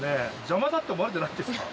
邪魔だって思われてないんですか？